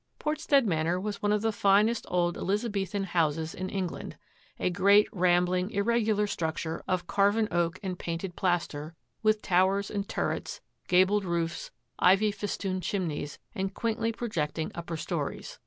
Portstead Manor was one of the finest old Elizabethan houses in England — a great, ram bling, irregular structure of carven oak and painted plaster, with towers and turrets, gabled roofs, ivy festooned chimneys, and quaintly pro jecting upper stories.